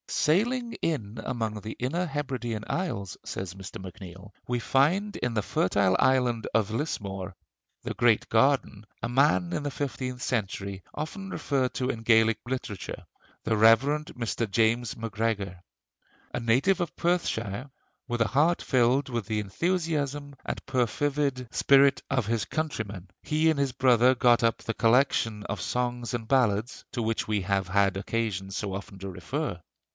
"Sailing in among the inner Hebridean Isles," says Mr. MacNeill, "we find in the fertile island of Lismore 'the great garden' a man in the fifteenth century often referred to in Gaelic literature: the Rev. Mr. James Macgregor. A native of Perthshire,... with a heart filled with the enthusiasm and perfervid spirit of his countrymen, he and his brother got up the collection of songs and ballads" to which we have had occasion so often to refer.